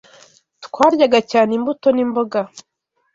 Twaryaga cyane imbuto n’imboga